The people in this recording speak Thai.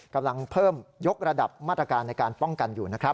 กำลังเพิ่มยกระดับมาตรการในการป้องกันอยู่นะครับ